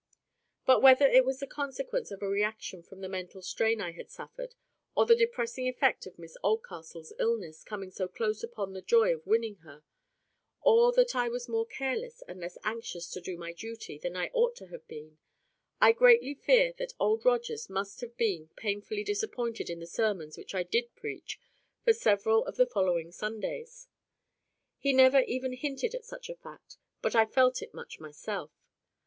But whether it was the consequence of a reaction from the mental strain I had suffered, or the depressing effect of Miss Oldcastle's illness coming so close upon the joy of winning her; or that I was more careless and less anxious to do my duty than I ought to have been—I greatly fear that Old Rogers must have been painfully disappointed in the sermons which I did preach for several of the following Sundays. He never even hinted at such a fact, but I felt it much myself.